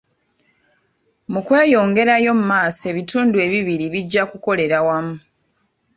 Mu kweyongerayo maaso ebitundu ebibiri bijja kukolera wamu.